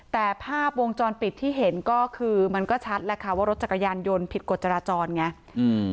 แต่ภาพวงจรปิดที่เห็นก็คือมันก็ชัดแหละค่ะว่ารถจักรยานยนต์ผิดกฎจราจรไงอืม